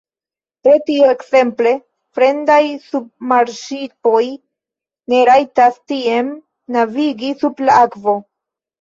Pro tio, ekzemple, fremdaj submarŝipoj ne rajtas tien navigi sub la akvo.